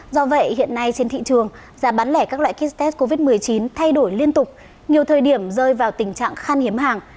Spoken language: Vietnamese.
do vậy hiện nay trên thị trường giá bán lẻ các loại kit test covid một mươi chín thay đổi liên tục nhiều thời điểm rơi vào tình trạng khan hiếm hàng